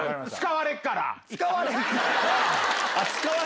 使われるから？